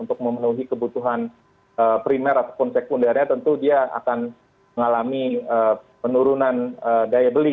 untuk memenuhi kebutuhan primer ataupun sekundernya tentu dia akan mengalami penurunan daya beli